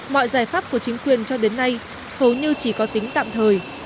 mọi giải pháp của chính quyền cho đến nay hầu như chỉ có tính tạm thời